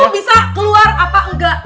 bisa keluar apa enggak